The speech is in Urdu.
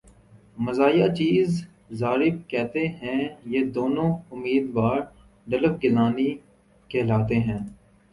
مزاحیہ چِیز ضارب کہتا ہے یہ دونوں امیدوار رڈلف گیلانی کہلاتے ہیں